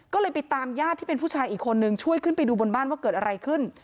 ก็เลยไปตามญาติที่เป็นผู้ชายอีกคนนึงช่วยขึ้นไปดูบนบ้านว่าเกิดอะไรขึ้น